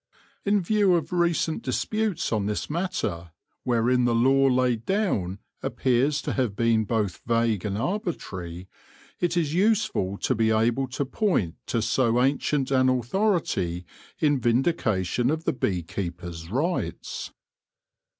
In view of recent disputes on this matter, wherein the law laid down appears to have been both vague and arbitrary, it is useful to be able to point to so ancient an authority in vindication of the bee keeper's rights.